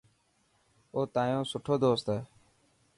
او تايون سٺو دوست هي.